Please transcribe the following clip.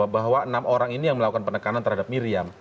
bahwa enam orang ini yang melakukan penekanan terhadap miriam